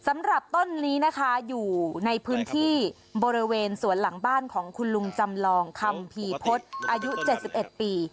สำหรับต้นนี้นะคะอยู่ในพื้นที่บริเวณสวนหลังบ้านของคุณลุงจำลองคัมภีร์พฤษอายุ๗๑ปี